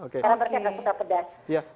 karena mereka tidak suka pedas